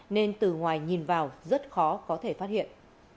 nên từ ngoài nhìn vào rất khó có thể phát hiện